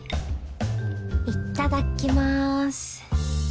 いっただきます